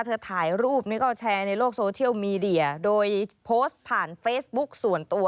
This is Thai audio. ถ่ายรูปนี่ก็แชร์ในโลกโซเชียลมีเดียโดยโพสต์ผ่านเฟซบุ๊กส่วนตัว